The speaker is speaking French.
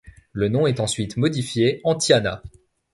Le nom est ensuite modifié en Tiana.